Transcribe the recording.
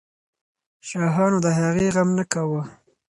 شاهانو د هغې غم نه کاوه.